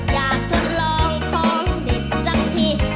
อยากทดลองของเด็กซักที